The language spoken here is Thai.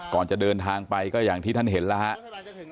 ก่อนจะเดินทางไปก็อย่างที่ท่านเห็นแล้วครับ